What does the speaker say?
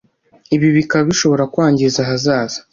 ibi bikaba bishobora kwangiza ahazaza